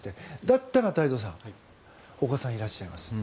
だったら太蔵さんお子さんいらっしゃいます。